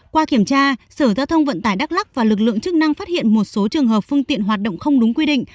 qua kiểm tra sở giao thông vận tải đắk lắc và lực lượng chức năng phát hiện một số trường hợp phương tiện hoạt động không đúng quy định